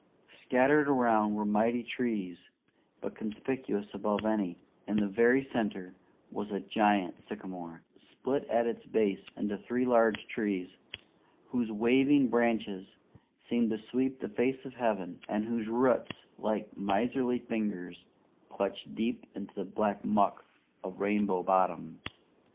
Scattered around were mighty trees, but conspicuous above any, in the very center, was a giant sycamore, split at its base into three large trees, whose waving branches seemed to sweep the face of heaven, and whose roots, like miserly fingers, clutched deep into the black muck of Rainbow Bottom.